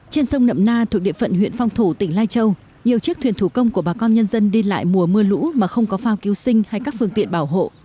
trên sông nậm na thuộc địa phận huyện phong thổ tỉnh lai châu nhiều chiếc thuyền thủ công của bà con nhân dân đi lại mùa mưa lũ mà không có phao cứu sinh hay các phương tiện bảo hộ